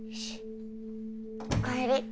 おかえり。